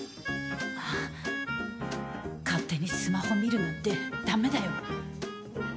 勝手にスマホ見るなんてだめだよ。